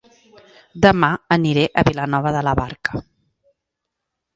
Dema aniré a Vilanova de la Barca